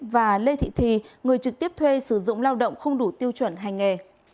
và lê thị thì người trực tiếp thuê sử dụng lao động không đủ tiêu chuẩn hành nghề